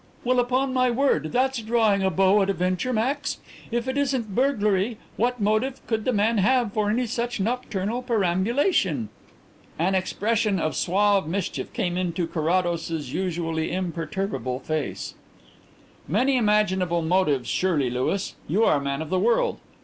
"Well, upon my word, that's drawing a bow at a venture, Max. If it isn't burglary, what motive could the man have for any such nocturnal perambulation?" An expression of suave mischief came into Carrados's usually imperturbable face. "Many imaginable motives surely, Louis. You are a man of the world.